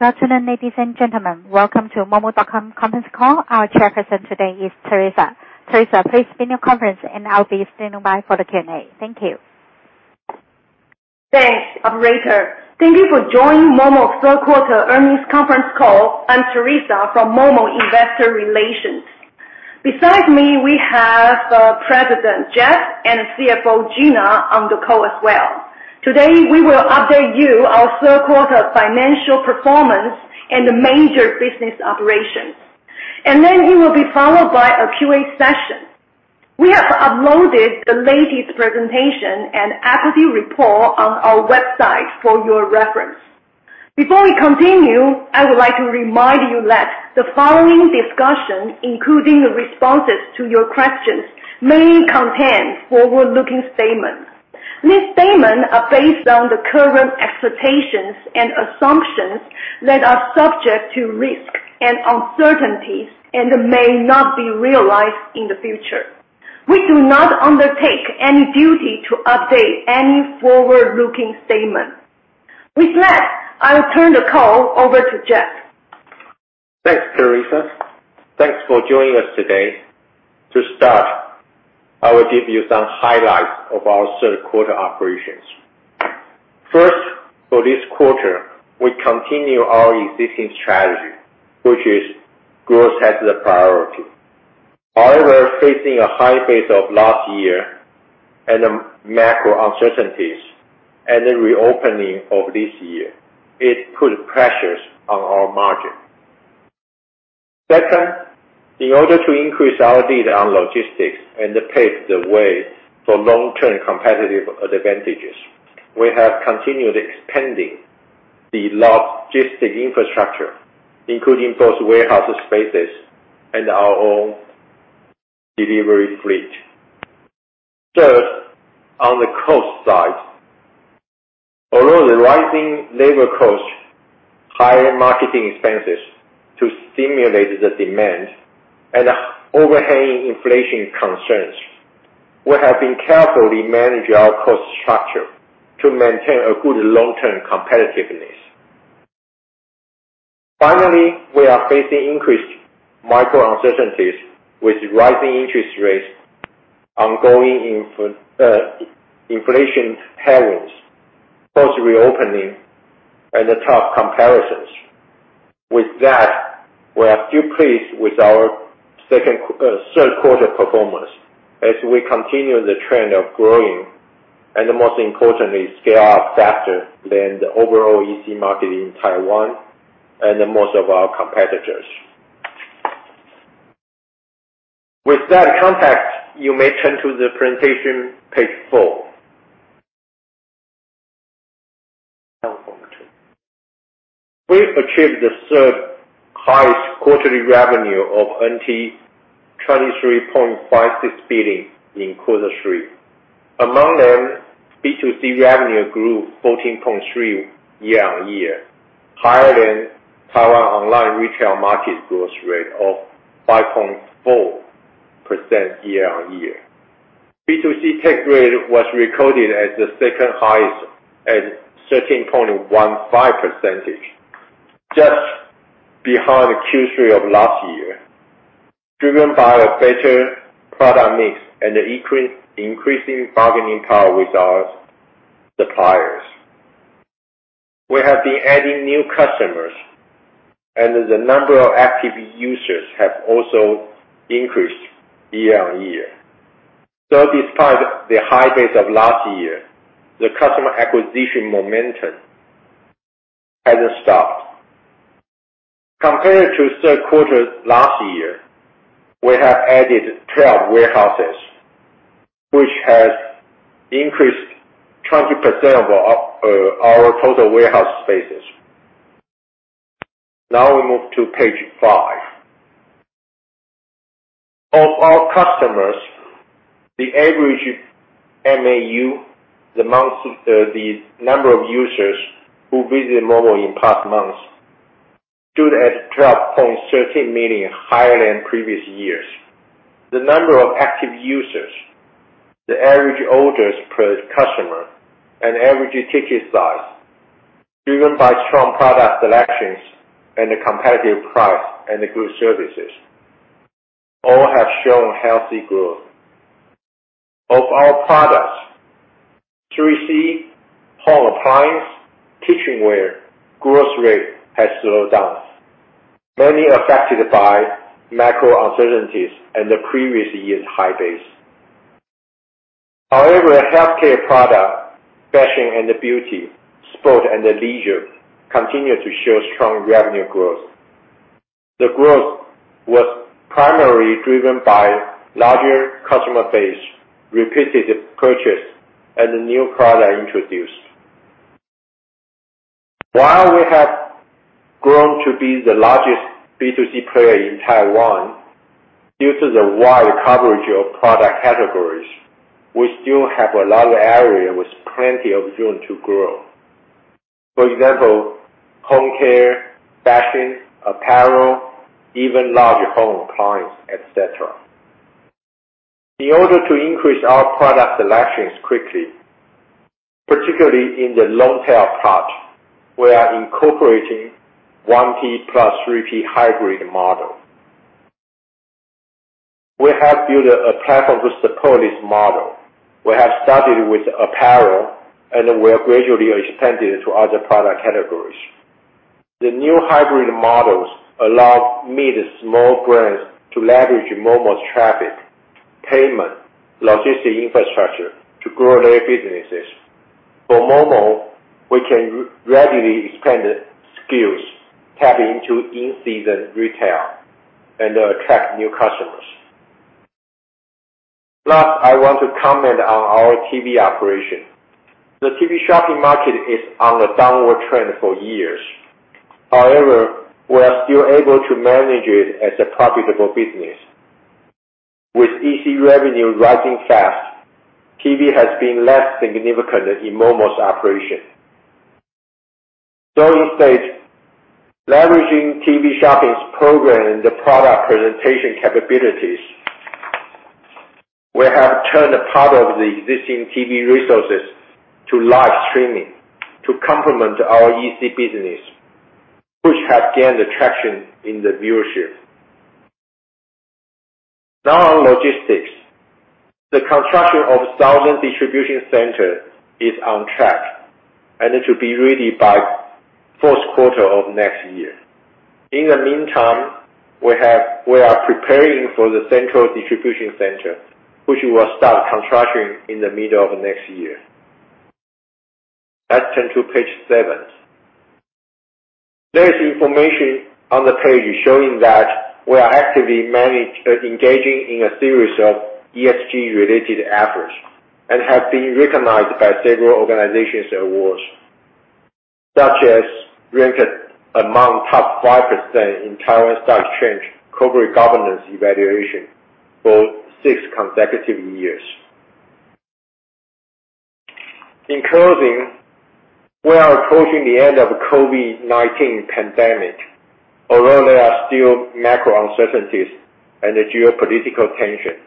Good afternoon, ladies and gentlemen. Welcome to momo.com conference call. Our chairperson today is Terrisa. Terrisa, please begin your conference, and I'll be standing by for the Q&A. Thank you. Thanks, operator. Thank you for joining momo third quarter earnings conference call. I'm Terrisa from momo Investor Relations. Besides me, we have President Jeff and CFO Gina on the call as well. Today, we will update you on our third quarter financial performance and the major business operations, and then it will be followed by a Q&A session. We have uploaded the latest presentation and equity report on our website for your reference. Before we continue, I would like to remind you that the following discussion, including the responses to your questions, may contain forward-looking statements. These statements are based on the current expectations and assumptions that are subject to risk and uncertainties and may not be realized in the future. We do not undertake any duty to update any forward-looking statement. With that, I will turn the call over to Jeff. Thanks, Terrisa. Thanks for joining us today. To start, I will give you some highlights of our third quarter operations. First, for this quarter, we continue our existing strategy, which is growth has the priority. However, facing a high base of last year and macro uncertainties and the reopening of this year, it put pressures on our margin. Second, in order to increase our lead on logistics and to pave the way for long-term competitive advantages, we have continued expanding the logistics infrastructure, including both warehouse spaces and our own delivery fleet. Third, on the cost side, although the rising labor cost, higher marketing expenses to stimulate the demand and overhanging inflation concerns, we have been carefully managing our cost structure to maintain a good long-term competitiveness. Finally, we are facing increased macro uncertainties with rising interest rates, ongoing inflation headwinds, post-reopening and the tough comparisons. With that, we are still pleased with our third quarter performance as we continue the trend of growing and most importantly, scale up faster than the overall EC market in Taiwan and most of our competitors. With that context, you may turn to the presentation, page four. Now on to. We achieved the third-highest quarterly revenue of 23.56 billion in quarter three. Among them, B2C revenue grew 14.3 year-on-year, higher than Taiwan online retail market growth rate of 5.4% year-on-year. B2C take rate was recorded as the second highest at 13.15%, just behind Q3 of last year, driven by a better product mix and increasing bargaining power with our suppliers. We have been adding new customers, and the number of active users have also increased year-on-year. Despite the high base of last year, the customer acquisition momentum hasn't stopped. Compared to third quarter last year, we have added 12 warehouses, which has increased 20% of our total warehouse spaces. Now we move to page five. Of our customers, the average MAU, the number of users who visit momo in past months, stood at 12.13 million, higher than previous years. The number of active users, the average orders per customer, and average ticket size, driven by strong product selections and a competitive price and good services, all have shown healthy growth. Of our products, 3C, home appliance, kitchenware growth rate has slowed down, mainly affected by macro uncertainties and the previous year's high base. However, healthcare product, fashion and beauty, sport and leisure continue to show strong revenue growth. The growth was primarily driven by larger customer base, repeated purchase, and new product introduced. While we have grown to be the largest B2C player in Taiwan due to the wide coverage of product categories, we still have a large area with plenty of room to grow. For example, home care, fashion, apparel, even larger home appliance, et cetera. In order to increase our product selections quickly, particularly in the long tail part, we are incorporating 1P plus 3P hybrid model. We have built a platform to support this model. We have started with apparel, and we are gradually extending to other product categories. The new hybrid models allow mid small brands to leverage momo's traffic, payment, logistics infrastructure to grow their businesses. For momo, we can readily expand SKUs, tap into in-season retail, and attract new customers. Last, I want to comment on our TV operation. The TV shopping market is on a downward trend for years. However, we are still able to manage it as a profitable business. With EC revenue rising fast, TV has been less significant in Momo's operation. Though it states leveraging TV shopping's program, the product presentation capabilities, we have turned a part of the existing TV resources to live streaming to complement our EC business, which have gained traction in the viewership. Now, on logistics. The construction of southern distribution center is on track, and it should be ready by fourth quarter of next year. In the meantime, we are preparing for the central distribution center, which we will start construction in the middle of next year. Let's turn to page seven. There is information on the page showing that we are actively engaging in a series of ESG-related efforts, and have been recognized by several organizations awards, such as ranked among top 5% in Taiwan Stock Exchange corporate governance evaluation for six consecutive years. In closing, we are approaching the end of COVID-19 pandemic. Although there are still macro uncertainties and the geopolitical tension,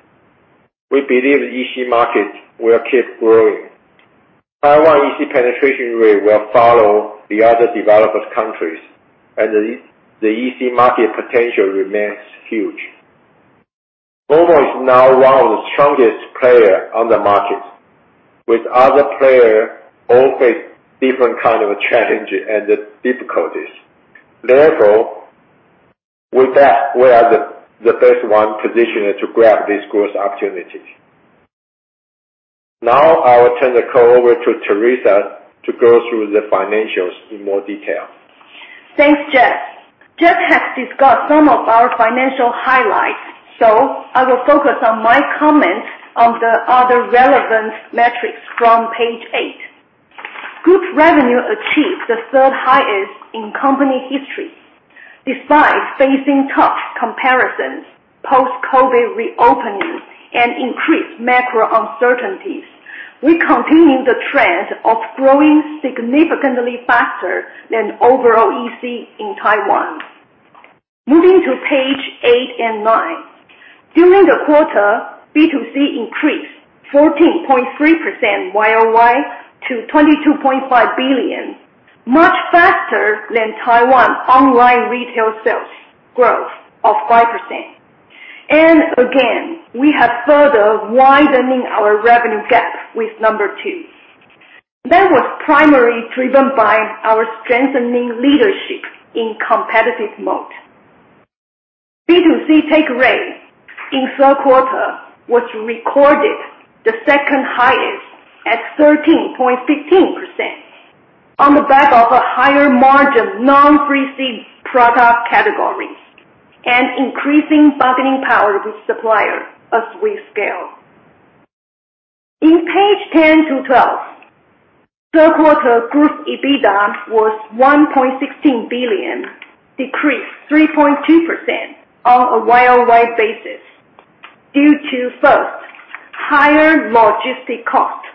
we believe EC market will keep growing. Taiwan EC penetration rate will follow the other developed countries, and the EC market potential remains huge. momo is now one of the strongest player on the market, with other player all face different kind of challenge and difficulties. Therefore, with that, we are the best one positioned to grab this growth opportunity. Now, I will turn the call over to Terrisa to go through the financials in more detail. Thanks, Jeff. Jeff has discussed some of our financial highlights, so I will focus on my comment on the other relevant metrics from page eight. Group revenue achieved the third-highest in company history. Despite facing tough comparisons, post-COVID reopening, and increased macro uncertainties, we continue the trend of growing significantly faster than overall EC in Taiwan. Moving to page eight and nine. During the quarter, B2C increased 14.3% YoY to 22.5 billion, much faster than Taiwan online retail sales growth of 5%. Again, we have further widening our revenue gap with number two. That was primarily driven by our strengthening leadership in competitive mode. B2C take rate in third quarter was recorded the second highest at 13.15% on the back of a higher margin non-3C product categories and increasing bargaining power with supplier as we scale. On pages 10-12, third quarter group EBITDA was 1.16 billion, decreased 3.2% on a YoY basis due to first, higher logistics cost,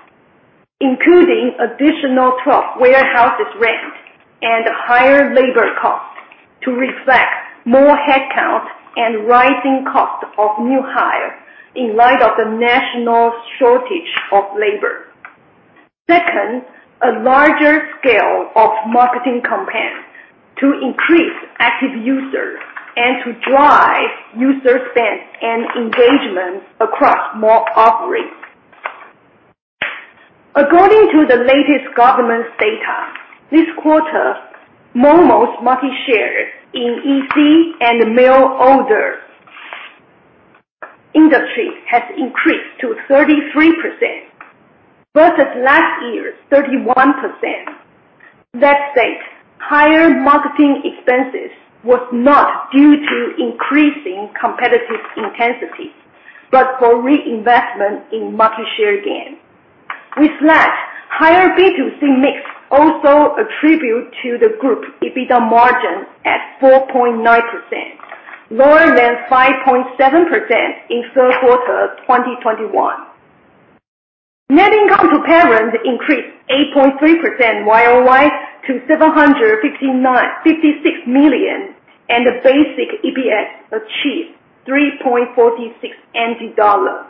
including additional 12 warehouses rent and higher labor costs to reflect more headcount and rising cost of new hire in light of the national shortage of labor. Second, a larger scale of marketing campaigns to increase active users and to drive user spend and engagement across more offerings. According to the latest government data, this quarter, momo's market share in EC and mail order industry has increased to 33% versus last year's 31%. That said, higher marketing expenses was not due to increasing competitive intensity, but for reinvestment in market share gain. With that, higher B2C mix also attribute to the group EBITDA margin at 4.9%, lower than 5.7% in third quarter of 2021. Net income to parents increased 8.3% YoY to 759.56 million. The basic EPS achieved 3.46 NT dollars,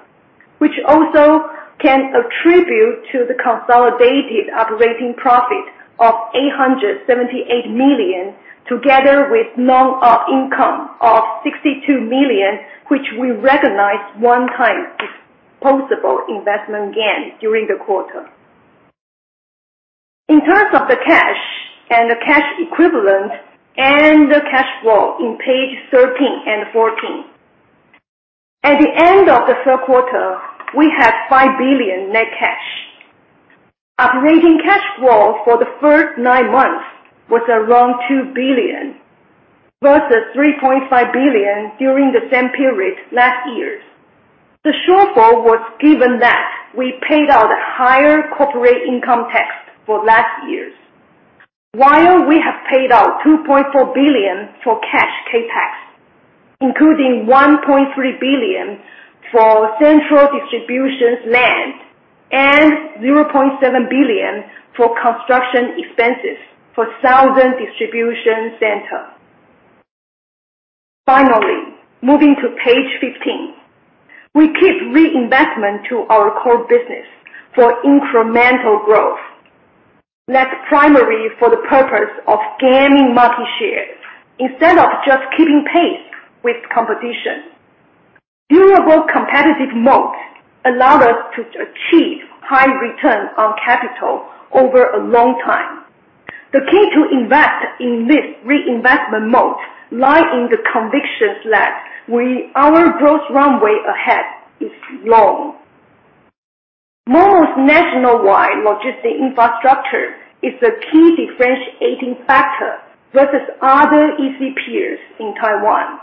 which also can attribute to the consolidated operating profit of 878 million, together with non-op income of 62 million, which we recognize one-time disposable investment gain during the quarter. In terms of the cash and the cash equivalent and the cash flow in page 13 and 14. At the end of the third quarter, we have 5 billion net cash. Operating cash flow for the first nine months was around 2 billion, versus 3.5 billion during the same period last year's. The shortfall was given that we paid out higher corporate income tax for last year's. While we have paid out 2.4 billion for cash CapEx, including 1.3 billion for central distribution land and 0.7 billion for construction expenses for southern distribution center. Finally, moving to page 15. We keep reinvestment to our core business for incremental growth. That's primary for the purpose of gaining market share instead of just keeping pace with competition. Durable competitive moat allow us to achieve high return on capital over a long time. The key to invest in this reinvestment moat lie in the convictions that our growth runway ahead is long. Momo's nationwide logistics infrastructure is the key differentiating factor versus other ECPs in Taiwan.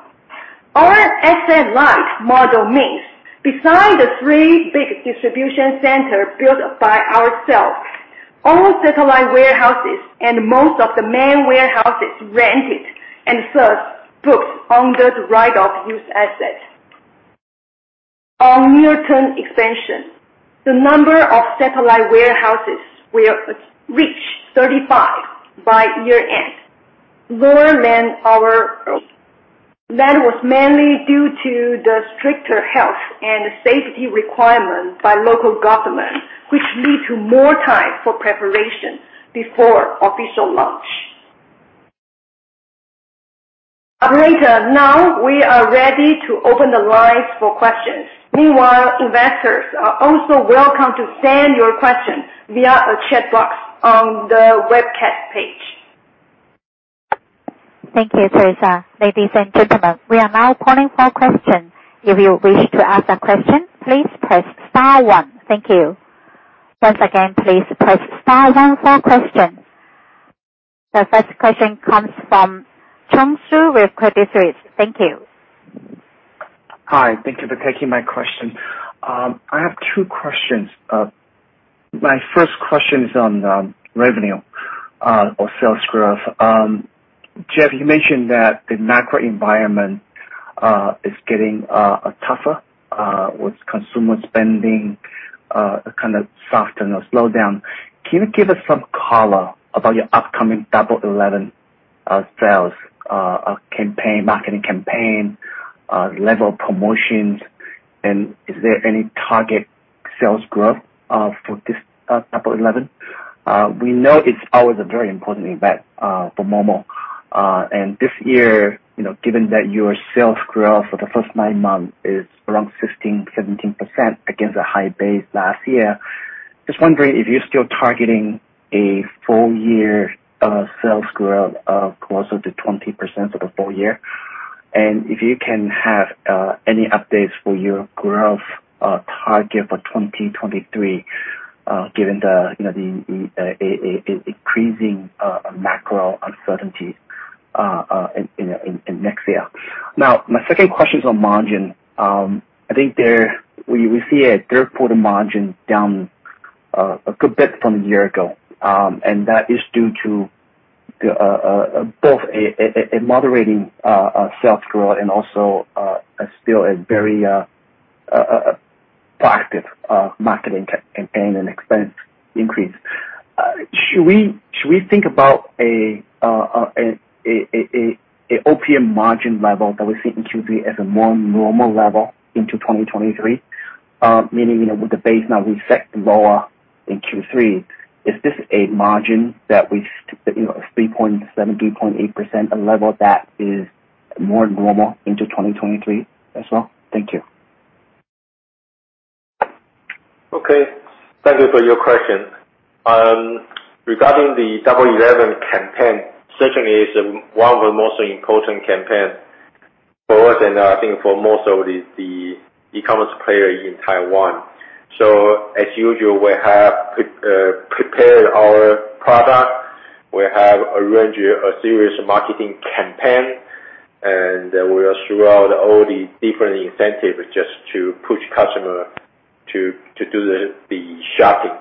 Our asset-light model means besides the three big distribution centers built by ourselves, all satellite warehouses and most of the main warehouse is rented and thus booked under the right-of-use asset. On near-term expansion, the number of satellite warehouses will reach 35 by year-end, lower than our. That was mainly due to the stricter health and safety requirement by local government, which lead to more time for preparation before official launch. Operator, now we are ready to open the lines for questions. Meanwhile, investors are also welcome to send your questions via a chat box on the webcast page. Thank you, Terrisa. Ladies and gentlemen, we are now calling for questions. If you wish to ask a question, please press star one. Thank you. Once again, please press star one for questions. The first question comes from Chung Hsu with Credit Suisse. Thank you. Hi. Thank you for taking my question. I have two questions. My first question is on revenue or sales growth. Jeff, you mentioned that the macro environment is getting tougher with consumer spending kind of softening or slowing down. Can you give us some color about your upcoming Double Eleven sales campaign, marketing campaign, level of promotions, and is there any target sales growth for this Double Eleven? We know it's always a very important event for momo. This year, you know, given that your sales growth for the first nine months is around 16, 17% against the high base last year, just wondering if you're still targeting a full year sales growth of closer to 20% for the full year. If you can have any updates for your growth target for 2023, given the increasing macro uncertainty, you know, in next year. Now, my second question is on margin. I think we see a third quarter margin down a good bit from a year ago. That is due to both moderating sales growth and also still a very proactive marketing campaign and expense increase. Should we think about an OPM margin level that we see in Q3 as a more normal level into 2023? Meaning, you know, with the base now reset lower in Q3, is this a margin that we, you know, 3.7%-3.8%, a level that is more normal in 2023 as well? Thank you. Okay. Thank you for your question. Regarding the Double 11 campaign, certainly it's one of the most important campaign for us and I think for most of the e-commerce player in Taiwan. As usual, we have prepared our product. We have arranged a series marketing campaign, and we are throughout all the different incentives just to push customer to do the shopping.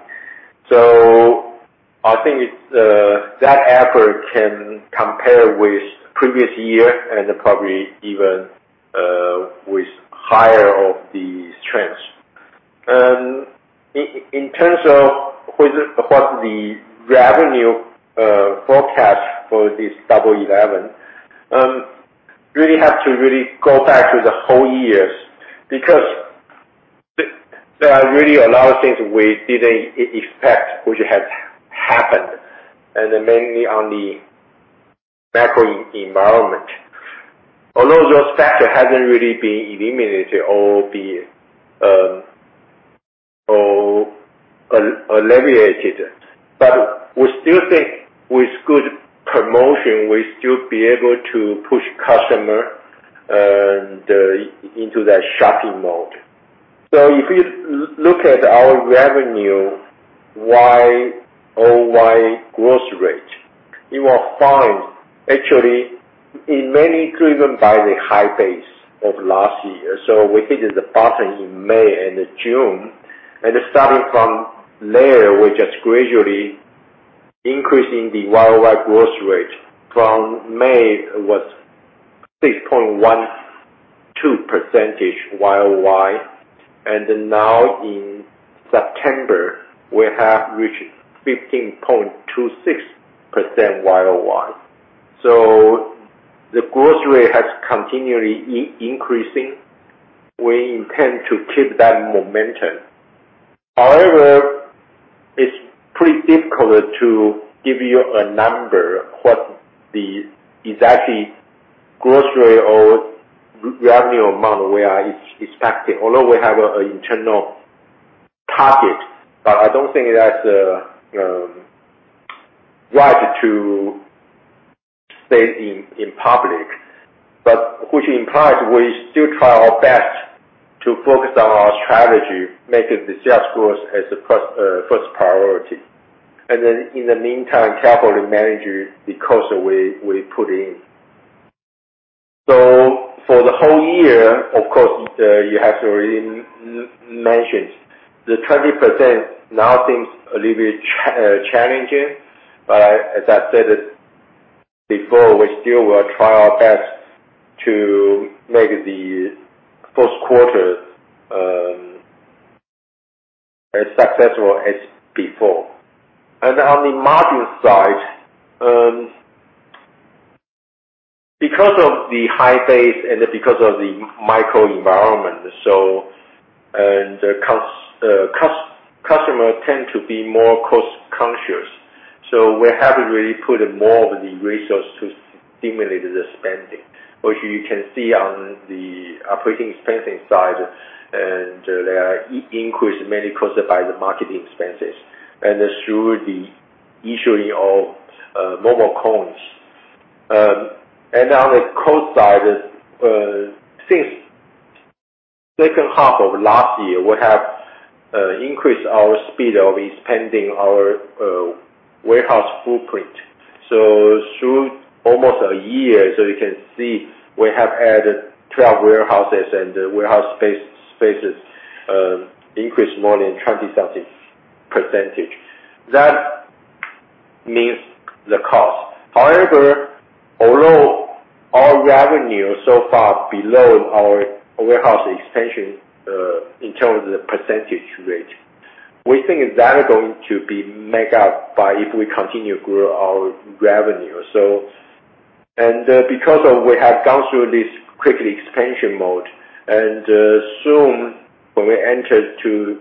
I think it's that effort can compare with previous year and probably even with higher end of the trends. In terms of what the revenue forecast for this Double 11, really have to go back to the whole year because there are really a lot of things we didn't expect which has happened, and mainly on the macro environment. Although those factors hasn't really been eliminated or alleviated, but we still think with good promotion, we'll still be able to push customer into that shopping mode. If you look at our revenue YoY growth rate, you will find actually it mainly driven by the high base of last year. We hit the bottom in May and June, and starting from there, we're just gradually increasing the YoY growth rate from May was 6.12% YoY. Now in September, we have reached 15.26% YoY. The growth rate has continually increasing. We intend to keep that momentum. However, it's pretty difficult to give you a number what the exact growth rate or revenue amount we are expecting. Although we have a internal target, but I don't think that's right to say in public. But which implies we still try our best to focus on our strategy, making the sales growth as the first priority. Then in the meantime, carefully manage the cost we put in. For the whole year, of course, you have to really mention the 20% now seems a little bit challenging. As I said it before, we still will try our best to make the first quarter as successful as before. On the margin side, because of the high base and because of the microenvironment, customer tend to be more cost conscious. We have to really put more of the resource to stimulate the spending, which you can see on the operating spending side. There are increase mainly caused by the marketing expenses and through the issuing of momo coins. On the cost side, since second half of last year, we have increased our speed of expanding our warehouse footprint. Through almost a year, you can see we have added 12 warehouses and warehouse spaces increased more than 27%. That means the cost. However, although our revenue so far below our warehouse expansion, in terms of the percentage rate, we think that is going to be make up by if we continue grow our revenue. because of we have gone through this quickly expansion mode, and soon when we enter to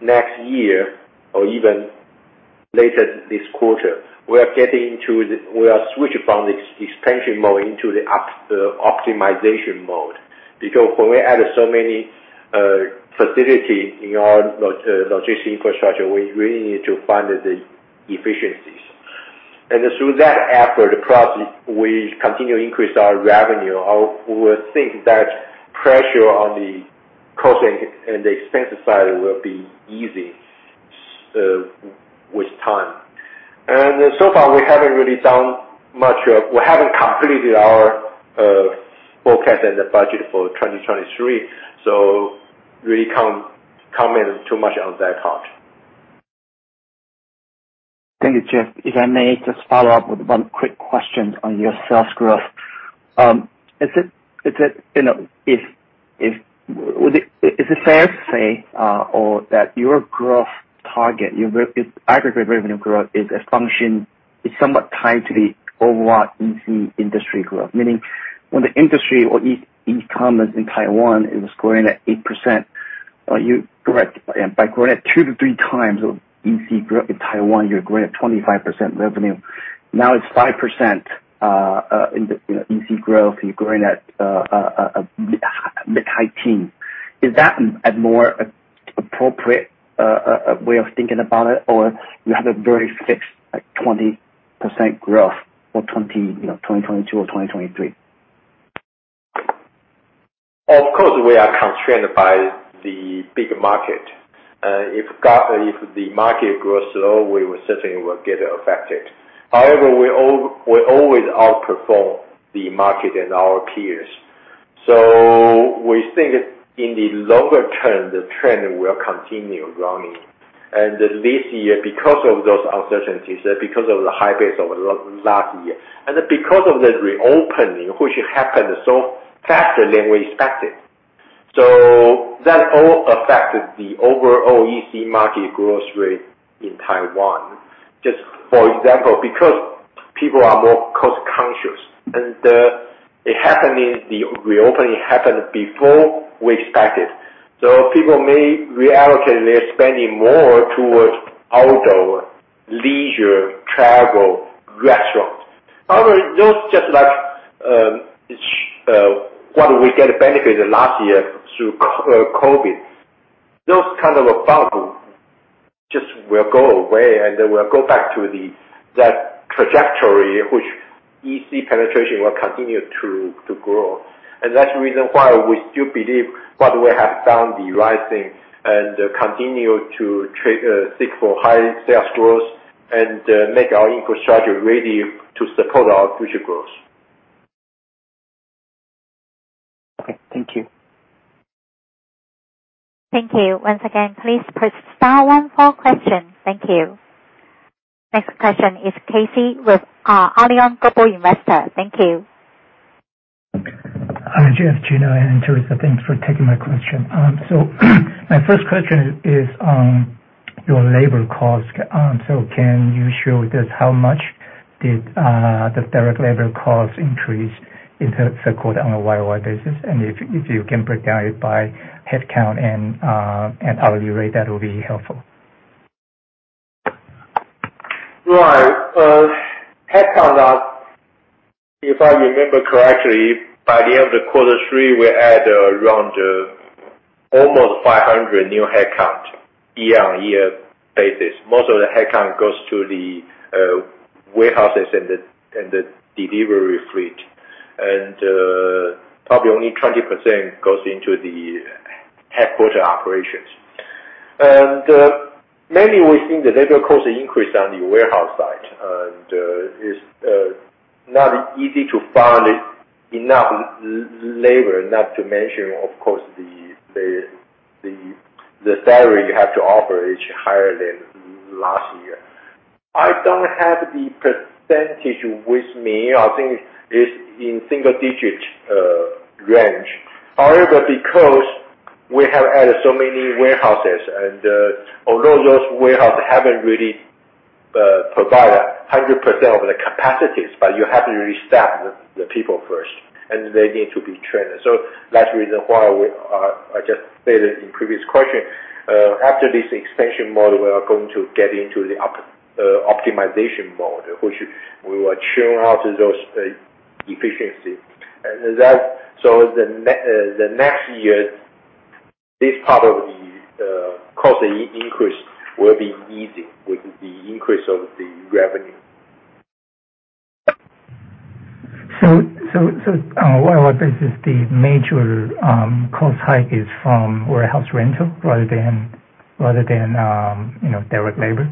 next year or even later this quarter, we are getting to the We are switching from the expansion mode into the optimization mode. Because when we add so many facility in our logistic infrastructure, we really need to find the efficiencies. Through that effort, plus we continue to increase our revenue, I would think that pressure on the cost and the expense side will be easy, with time. So far, we haven't completed our forecast and the budget for 2023, so really can't comment too much on that part. Thank you, Jeff. If I may just follow up with one quick question on your sales growth. Is it fair to say that your growth target, its aggregate revenue growth is a function, somewhat tied to the overall EC industry growth? Meaning when the industry or e-commerce in Taiwan is growing at 8%, by growing at 2-3x of EC growth in Taiwan, you're growing at 25% revenue. Now it's 5% in the EC growth, you know, you're growing at a mid-high teen. Is that a more appropriate way of thinking about it? You have a very fixed like 20% growth for 2022, you know, or 2023? Of course, we are constrained by the big market. If the market grows slow, we will certainly get affected. However, we always outperform the market and our peers. We think in the longer term, the trend will continue growing. This year, because of those uncertainties, because of the high base of last year, and because of the reopening, which happened so faster than we expected. That all affected the overall EC market growth rate in Taiwan. Just for example, because people are more cost-conscious and the reopening happened before we expected, so people may reallocate their spending more towards outdoor, leisure, travel, restaurants. However, those just like what we get benefited last year through COVID, those kind of a bubble just will go away, and they will go back to the that trajectory which EC penetration will continue to grow. That's the reason why we still believe that we have done the right thing and continue to seek for high sales growth and make our infrastructure ready to support our future growth. Okay, thank you. Thank you. Once again, please press star one for questions. Thank you. Next question is Casey with Allianz Global Investors. Thank you. Hi, Jeff, Gina, and Terrisa. Thanks for taking my question. My first question is your labor cost. Can you show just how much did the direct labor cost increase in terms of quarter on a YoY basis? And if you can break it down by headcount and hourly rate, that would be helpful. Right. Headcount, if I remember correctly, by the end of quarter three, we had around almost 500 new headcount year-on-year basis. Most of the headcount goes to the warehouses and the delivery fleet. Probably only 20% goes into the headquarters operations. Mainly we think the labor cost increase on the warehouse side is not easy to find enough labor, not to mention of course the salary you have to offer is higher than last year. I don't have the percentage with me. I think it's in single-digit range. However, because we have added so many warehouses and although those warehouses haven't really provided 100% of the capacities, but you have to restaff the people first, and they need to be trained. That's the reason why I just stated in previous question, after this expansion model, we are going to get into the optimization model, which we will churn out those efficiency. In the next years, this part of the cost increase will ease with the increase of the revenue. On a YoY basis, the major cost hike is from warehouse rental rather than you know, direct labor?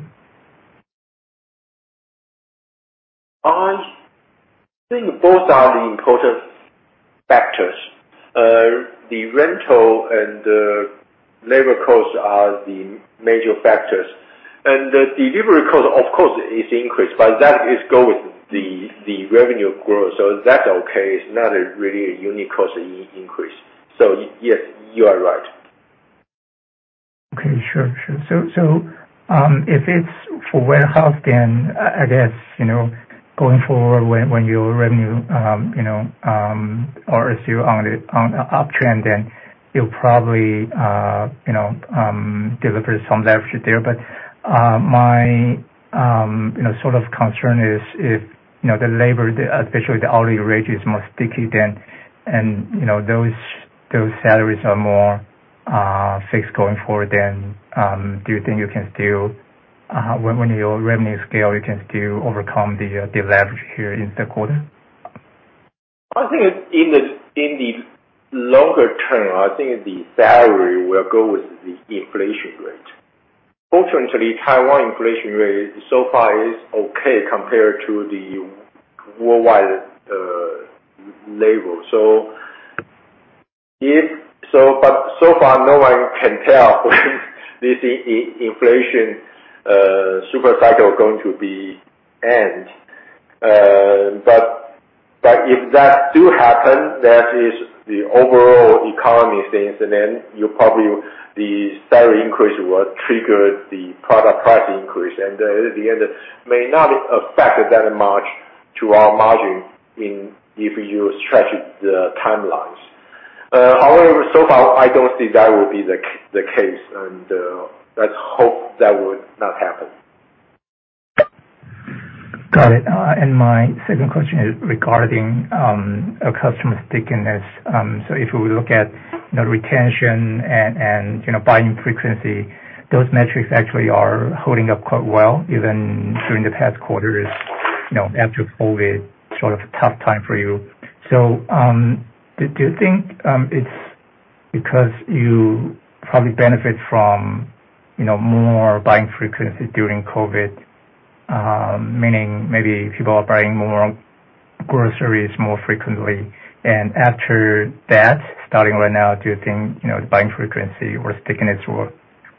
I think both are the important factors. The rental and the labor costs are the major factors. The delivery cost of course is increased, but that goes with the revenue growth, so that's okay. It's not really a unique cost increase. Yes, you are right. Okay, sure. If it's for warehouse, then I guess, you know, going forward when your revenue, you know, or as you're on a uptrend, then you'll probably deliver some leverage there. My concern is if the labor, especially the hourly rate is more sticky than. Those salaries are more fixed going forward, then do you think you can still, when your revenue scale, you can still overcome the leverage here in the quarter? I think in the longer term, I think the salary will go with the inflation rate. Fortunately, Taiwan inflation rate so far is okay compared to the worldwide labor. No one can tell when this inflation super cycle going to be end. But if that do happen, that is the overall economy things, and then the salary increase will trigger the product price increase. At the end, may not affect that much to our margin, if you stretch the timelines. However, so far I don't see that will be the case, and let's hope that would not happen. Got it. My second question is regarding customer stickiness. If we look at the retention and you know, buying frequency, those metrics actually are holding up quite well even during the past quarters, you know, after COVID, sort of tough time for you. Do you think because you probably benefit from you know, more buying frequency during COVID, meaning maybe people are buying more groceries more frequently. After that, starting right now, do you think you know, the buying frequency or stickiness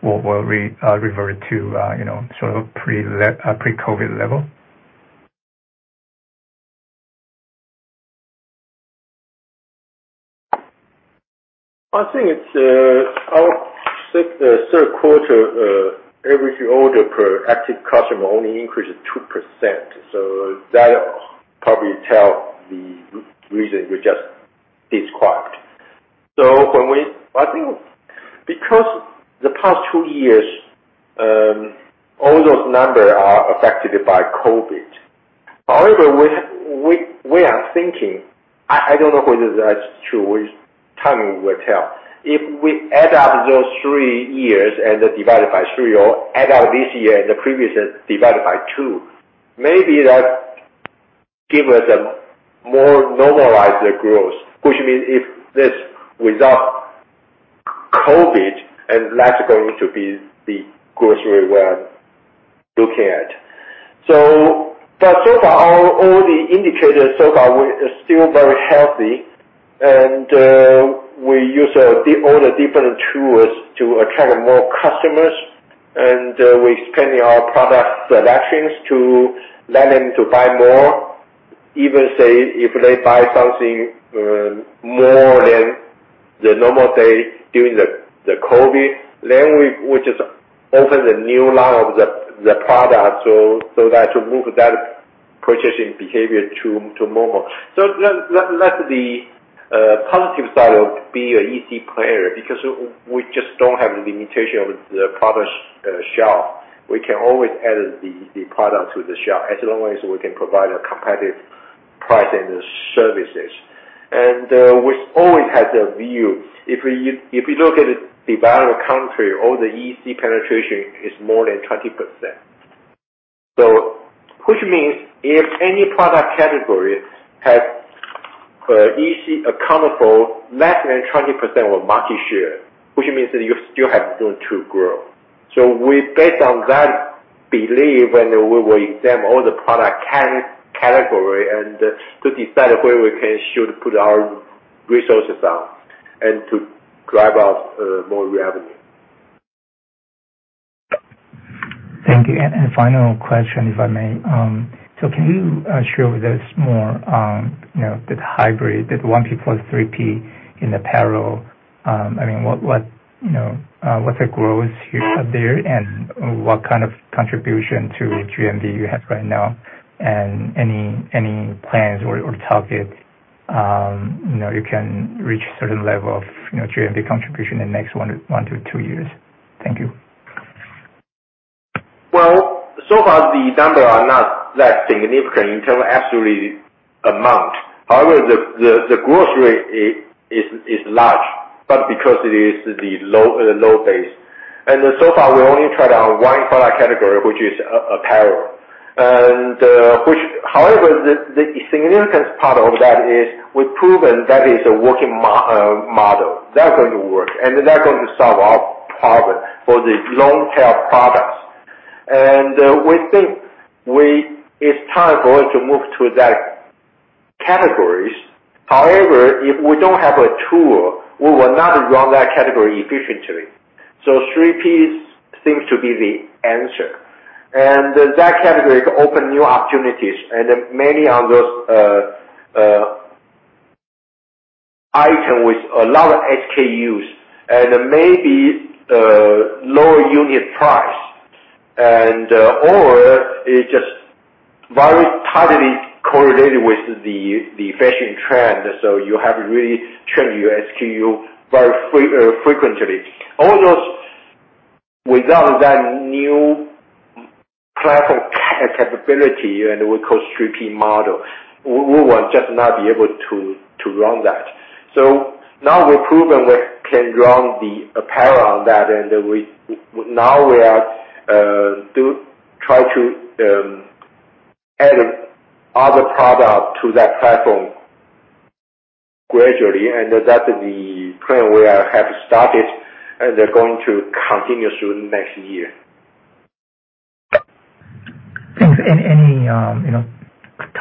will revert to you know, sort of pre-COVID level? I think it's our third quarter average order per active customer only increased 2%. That probably tells the reason we just described. I think because the past two years, all those numbers are affected by COVID. However, we are thinking, I don't know whether that's true, time will tell. If we add up those three years and divide it by three, or add up this year and the previous and divide it by two, maybe that gives us a more normalized growth. Which means if this without COVID, and that's going to be the growth we're looking at. But so far, all the indicators so far were still very healthy. We use all the different tools to attract more customers. We expand our product selections to let them to buy more. Even, say, if they buy something more than the normal day during the COVID, then we just open the new line of the product, so that to move that purchasing behavior to normal. That's the positive side of being an EC player, because we just don't have the limitation of the product shelf. We can always add the product to the shelf, as long as we can provide a competitive price and the services. We always had the view, if you look at the developed country, all the EC penetration is more than 20%. Which means if any product category has EC accountable less than 20% of market share, which means that you still have room to grow. We based on that belief, and we will examine all the product category and to decide where we can should put our resources on and to drive up more revenue. Thank you. Final question, if I may. Can you share with us more, you know, the hybrid, the 1P plus 3P in apparel, I mean, what you know, what's the growth there, and what kind of contribution to GMV you have right now? Any plans or target, you know, you can reach a certain level of, you know, GMV contribution in next one to two years? Thank you. Well, so far, the numbers are not that significant in terms of actual amount. However, the grocery is large, but because it is the low base. So far we only tried on one product category, which is apparel. However, the significance part of that is we've proven that is a working model. That's going to work, and that's going to solve our problem for the long tail products. We think it's time for us to move to those categories. However, if we don't have a tool, we will not run that category efficiently. 3Ps seems to be the answer. That category could open new opportunities and many of those items with a lot of SKUs and maybe lower unit price. It's just very tightly correlated with the fashion trend, so you have to really change your SKU very frequently. All those without that new platform capability, and we call 3P model, we will just not be able to run that. Now we've proven we can run the apparel on that, and now we are trying to add other products to that platform gradually. That's the plan we have started, and they're going to continue through next year. Thanks. Any, you know,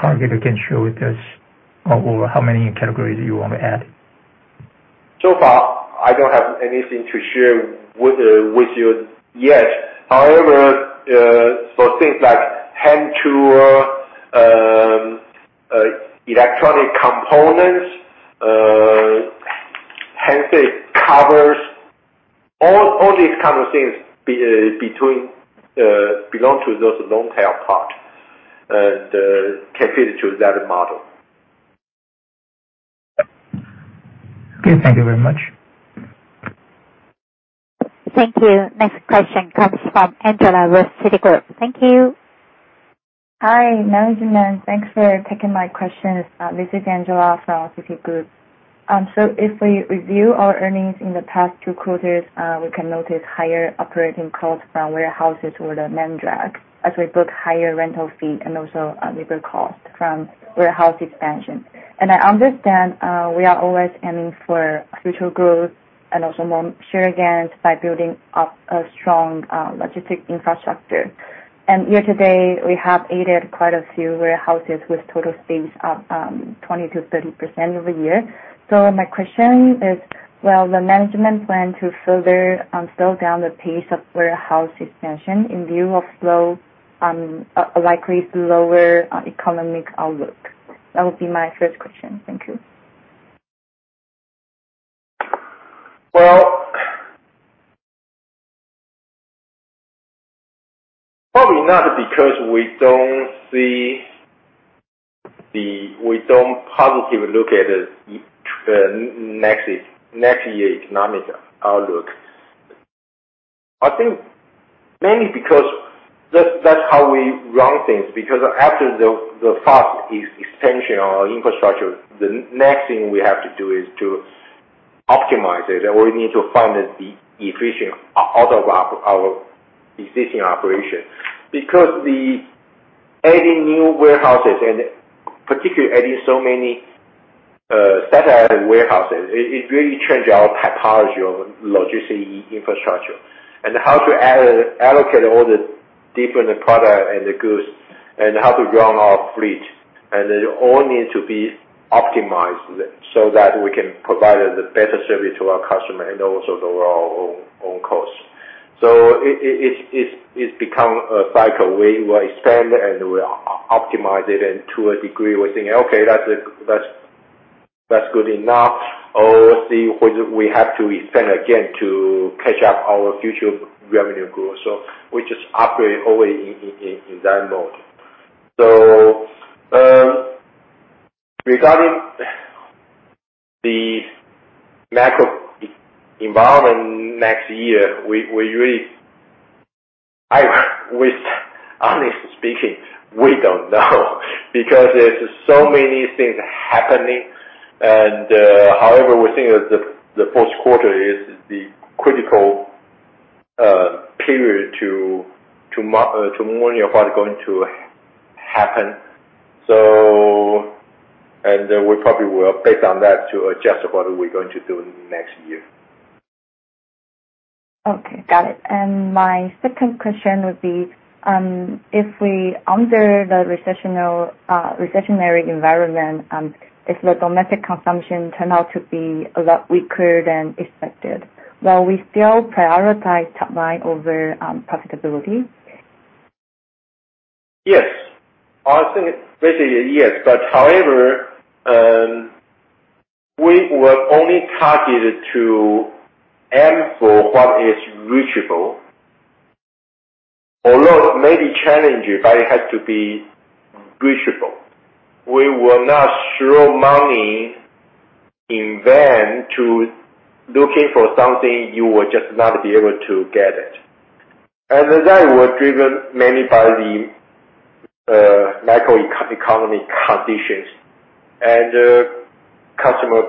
target you can share with us on how many categories you want to add? So far, I don't have anything to share with you yet. However, for things like hand tool, electronic components, let's say covers, all these kind of things belong to those long tail part and can fit into that model. Okay. Thank you very much. Thank you. Next question comes from Angela with Citigroup. Thank you. Hi, management. Thanks for taking my questions. This is Angela from Citigroup. If we review our earnings in the past two quarters, we can notice higher operating costs from warehouses were the main drag as we book higher rental fee and also labor cost from warehouse expansion. I understand we are always aiming for future growth and also more share gains by building up a strong logistics infrastructure. Year-to-date, we have added quite a few warehouses with total space up 20%-30% over the year. My question is, will the management plan to further slowdown the pace of warehouse expansion in view of likely slower economic outlook? That would be my first question. Thank you. Well, probably not because we don't positively look at next year economic outlook. I think mainly because that's how we run things, because after the fast expansion of infrastructure, the next thing we have to do is to optimize it or we need to find the efficient output of our existing operation. Because adding new warehouses and particularly adding so many satellite warehouses, it really changed our topology of logistics infrastructure and how to allocate all the different product and the goods and how to run our fleet. They all need to be optimized so that we can provide a better service to our customer and also lower our own costs. It's become a cycle. We will expand and we optimize it, and to a degree we're saying, "Okay, that's good enough," or see whether we have to expand again to catch up our future revenue growth. We just operate always in that mode. Regarding the macro environment next year, we really with honestly speaking, we don't know because there's so many things happening. However, we think that the fourth quarter is the critical period to monitor what is going to happen. We probably will base on that to adjust what we're going to do next year. Okay, got it. My second question would be, if we under the recessionary environment, if the domestic consumption turn out to be a lot weaker than expected, will we still prioritize top line over profitability? Yes. I think basically yes. However, we will only target to aim for what is reachable. Although it may be challenging, it has to be reachable. We will not throw money in vain to looking for something you will just not be able to get it. That was driven mainly by the economic conditions and customer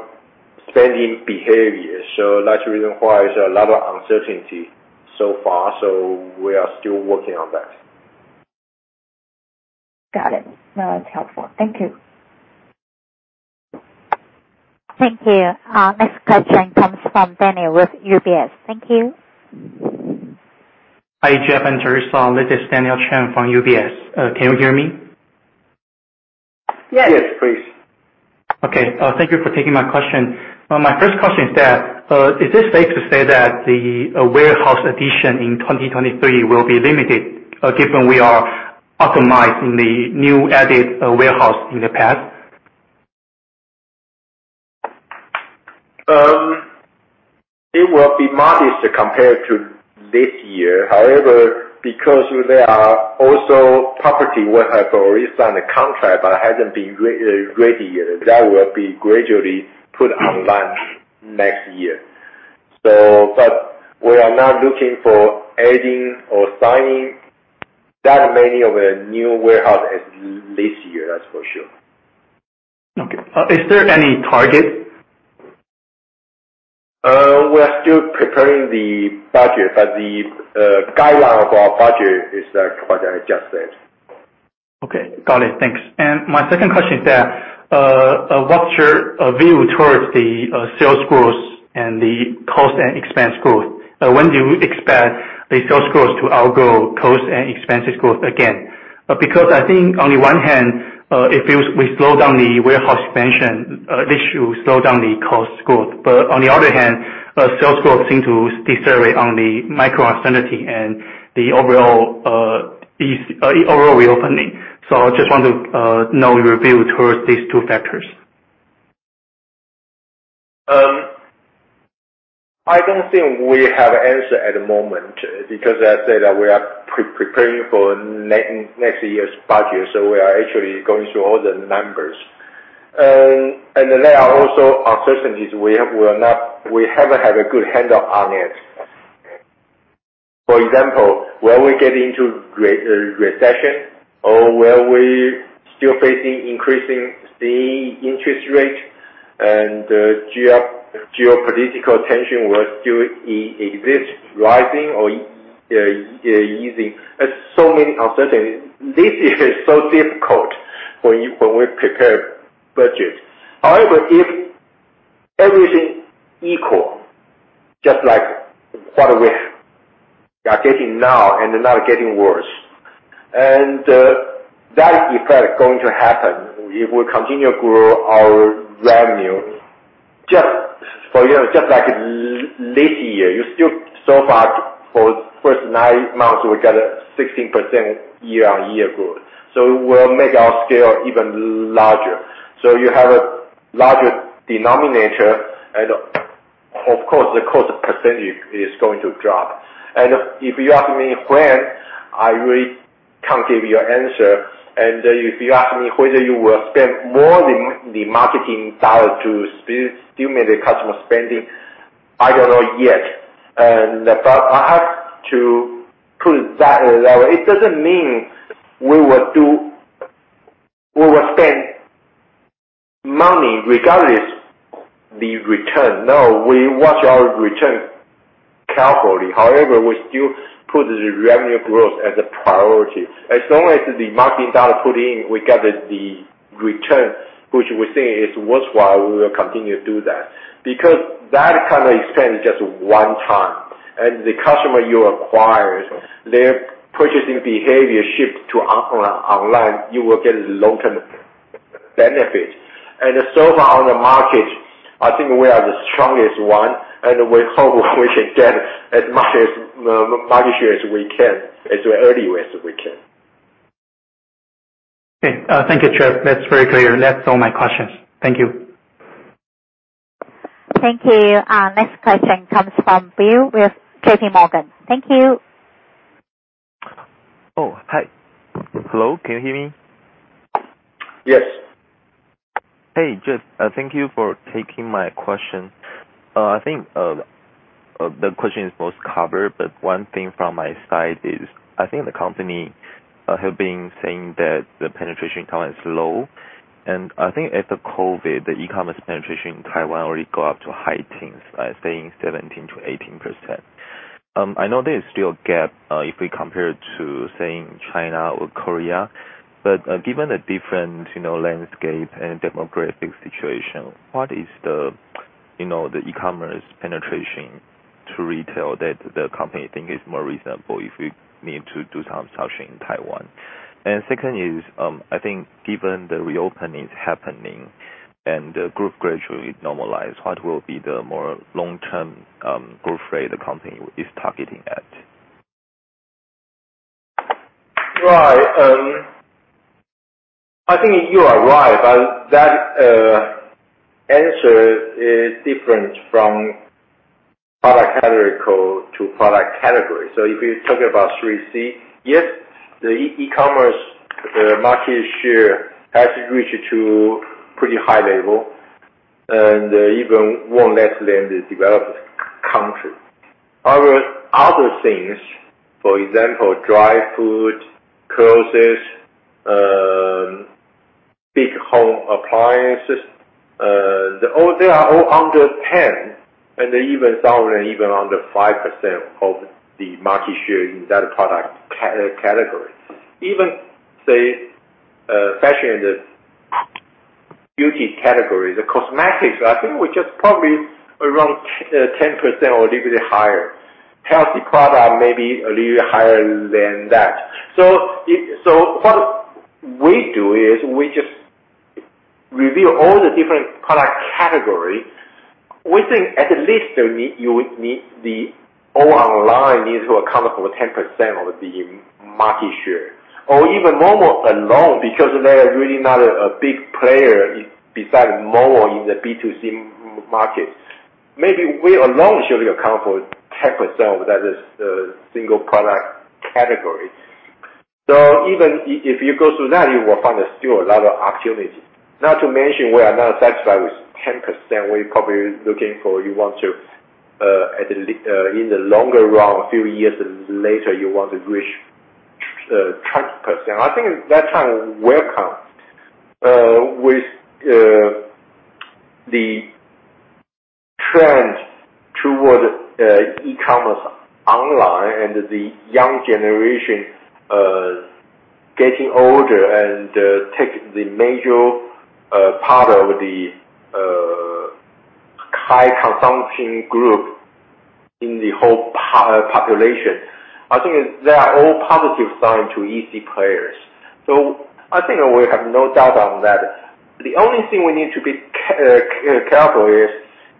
spending behavior. That's the reason why there's a lot of uncertainty so far, so we are still working on that. Got it. Helpful. Thank you. Thank you. Next question comes from Daniel Cheng with UBS. Thank you. Hi, Jeff and Terrisa. This is Daniel Cheng from UBS. Can you hear me? Yes, please. Okay, thank you for taking my question. My first question is that is it safe to say that the warehouse addition in 2023 will be limited, given we are optimizing the new added warehouse in the past? It will be modest compared to this year. However, because there are also property we have already signed a contract but hasn't been ready yet. That will be gradually put online next year, so. We are not looking for adding or signing that many of a new warehouse as this year. That's for sure. Okay. Is there any target? We are still preparing the budget, but the guideline of our budget is what I just said. Okay. Got it. Thanks. My second question is that, what's your view towards the sales growth and the cost and expense growth? When do you expect the sales growth to outgrow cost and expenses growth again? Because I think on the one hand, if we slow down the warehouse expansion, this will slow down the cost growth. But on the other hand, sales growth seems to be severely affected by the macro uncertainty and the overall reopening. I just want to know your view towards these two factors. I don't think we have answer at the moment because I said that we are preparing for next year's budget, so we are actually going through all the numbers. There are also uncertainties we have. We haven't had a good handle on it. For example, will we get into recession or will we still facing increasing the interest rate and geopolitical tension will still exist, rising or easing. There's so many uncertainties. This is so difficult when we prepare budget. However, if everything equal, just like what we are getting now and not getting worse, and that effect going to happen, we will continue grow our revenue. Just for you, just like this year, you still so far for first nine months we got a 16% year-over-year growth. We'll make our scale even larger. You have a larger denominator and of course, the cost percentage is going to drop. If you ask me when, I really can't give you an answer. If you ask me whether you will spend more in the marketing dollar to stimulate customer spending, I don't know yet. I have to put that it doesn't mean we will spend money regardless the return. No, we watch our return carefully. However, we still put the revenue growth as a priority. As long as the marketing dollar put in, we get the return which we think is worthwhile, we will continue to do that. Because that kind of expense is just one time, and the customer you acquire, their purchasing behavior shift to online, you will get long-term benefit. So far on the market, I think we are the strongest one, and we hope we can get as much as market share as we can, as early as we can. Okay. Thank you, Jeff. That's very clear. That's all my questions. Thank you. Thank you. Next question comes from Bill with JPMorgan. Thank you. Oh, hi. Hello? Can you hear me? Yes. Hey, Jeff. Thank you for taking my question. I think the question is most covered, but one thing from my side is, I think the company have been saying that the penetration count is low. I think after COVID, the e-commerce penetration in Taiwan already go up to high teens, saying 17%-18%. I know there is still a gap, if we compare to, say, in China or Korea, but given the different, you know, landscape and demographic situation, what is the, you know, the e-commerce penetration to retail that the company think is more reasonable if we need to do some searching in Taiwan? Second is, I think given the reopening is happening and the group gradually normalize, what will be the more long-term growth rate the company is targeting at? Right. I think you are right, but that answer is different from product category to product category. If you're talking about 3C, yes, the e-commerce market share has reached to pretty high level, and even more or less than the developed country. However, other things, for example, dry food, clothes, big home appliances, they are all under 10, and even some are even under 5% of the market share in that product category. Even, say, fashion and beauty category, the cosmetics, I think we're just probably around 10% or a little bit higher. Healthy product may be a little higher than that. What we do is we just review all the different product category. We think at the least you need, you would need the all online needs to account for 10% of the market share. Even momo alone, because there are really not a big player besides momo in the B2C market. Maybe we alone should account for 10% of that as the single product category. Even if you go through that, you will find there's still a lot of opportunity. Not to mention we are not satisfied with 10%. We're probably looking for you want to in the longer run, a few years later, you want to reach 20%. I think that time will come, with the trend toward e-commerce online and the young generation getting older and take the major part of the high consumption group in the whole population. I think they are all positive sign to EC players. I think we have no doubt on that. The only thing we need to be careful is,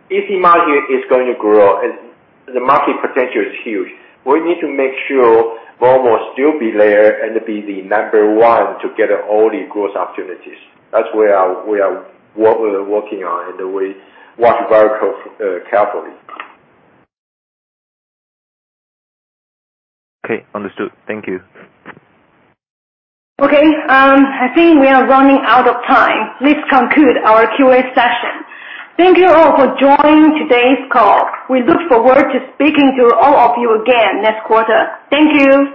if the market is going to grow, and the market potential is huge, we need to make sure momo still be there and be the number one to get all the growth opportunities. That's where we are, what we are working on, and we watch very carefully. Okay. Understood. Thank you. Okay. I think we are running out of time. This conclude our Q&A session. Thank you all for joining today's call. We look forward to speaking to all of you again next quarter. Thank you.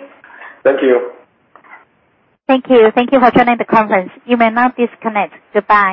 Thank you. Thank you. Thank you for joining the conference. You may now disconnect. Goodbye.